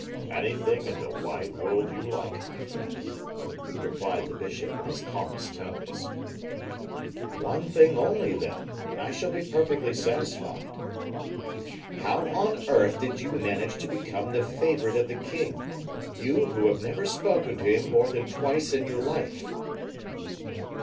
"Anything in the wide world you like, my friend," replied the bishop, in his calmest tones. "One thing only, then, and I shall be perfectly satisfied. How on earth did you manage to become the favorite of the king, you who have never spoken to him more than twice in your life?"